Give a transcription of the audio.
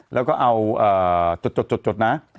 แล้วก็เอาจดนะ